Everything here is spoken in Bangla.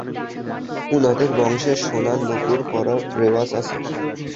উনাদের বংশে সোনার নূপুর পরার রেওয়াজ আছে।